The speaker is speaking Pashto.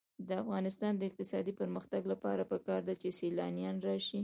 د افغانستان د اقتصادي پرمختګ لپاره پکار ده چې سیلانیان راشي.